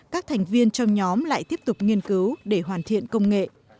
các thành viên trong nhóm lại tiếp tục nghiên cứu để hoàn thiện công nghệ